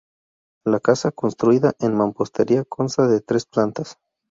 La casa, construida en mampostería, consta de tres plantas.